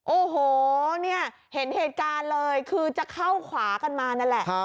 โอ้โหเนี่ยเห็นเหตุการณ์เลยคือจะเข้าขวากันมานั่นแหละ